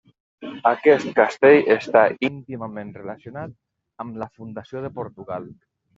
Aquest castell està íntimament relacionat amb la fundació de Portugal.